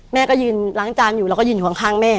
แม่ก็ยืนล้างจานอยู่แล้วก็ยืนอยู่ข้างแม่